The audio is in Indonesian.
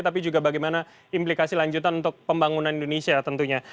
tapi juga bagaimana implikasi lanjutan untuk pembangunan indonesia tentunya